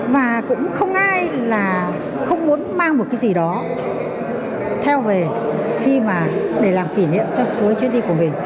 và cũng không ai là không muốn mang một cái gì đó theo về khi mà để làm kỷ niệm cho chuyến đi của mình